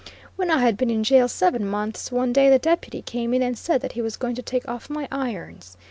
When I had been in jail seven months, one day the Deputy came in and said that he was going to take off my irons.